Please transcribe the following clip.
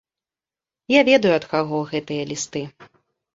Я ведаю, ад каго гэтыя лісты.